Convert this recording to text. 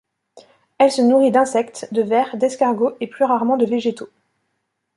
Elle se nourrit d'insectes, de vers, d'escargots et plus rarement de végétaux.